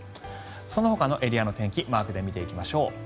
そのほかのエリアの天気マークで見ていきましょう。